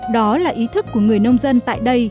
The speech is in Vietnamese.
đó là ý thức của người nông dân tại đây